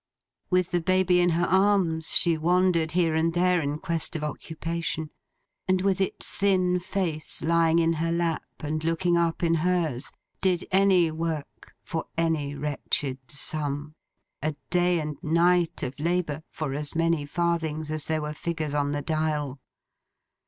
With the baby in her arms, she wandered here and there, in quest of occupation; and with its thin face lying in her lap, and looking up in hers, did any work for any wretched sum; a day and night of labour for as many farthings as there were figures on the dial.